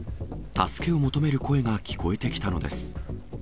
助けを求める声が聞こえてきたのです。